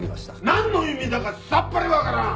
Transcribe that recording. なんの意味だかさっぱりわからん！